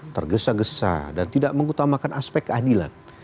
tergesa gesa dan tidak mengutamakan aspek keadilan